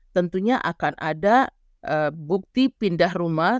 tentunya akan ada bukti pindah rumah